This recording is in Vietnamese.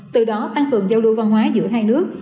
từ đó tăng cường giao lưu văn hóa giữa hai nước